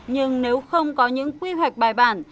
nhưng nếu không có những quy hoạch bài bản